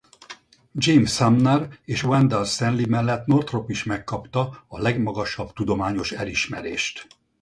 James Sumner és Wendall Stanley mellett Northrop is megkapta a legmagasabb tudományos elismerést.